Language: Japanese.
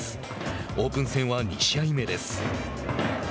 オープン戦は２試合目です。